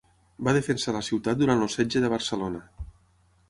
Va defensar la ciutat durant el Setge de Barcelona.